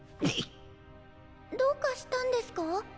どうかしたんですか？